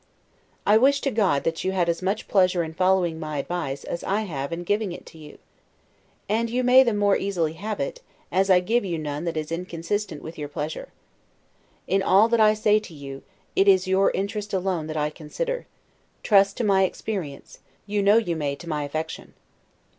I wish to God that you had as much pleasure in following my advice, as I have in giving it you! and you may the more easily have it, as I give you none that is inconsistent with your pleasure. In all that I say to you, it is your interest alone that I consider: trust to my experience; you know you may to my affection.